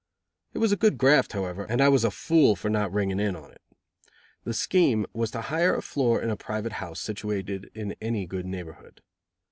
It was a good graft, however, and I was a fool for not ringing in on it. The scheme was to hire a floor in a private house situated in any good neighborhood.